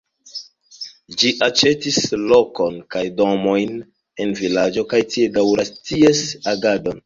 Ĝi aĉetis lokon kaj domojn en vilaĝo kaj tie daŭras ties agadon.